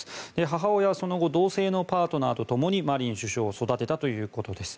母親はその後同性のパートナーとともにマリン首相を育てたということです。